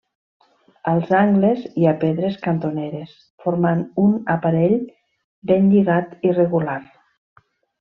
Als angles hi ha pedres cantoneres formant un aparell ben lligat i regular.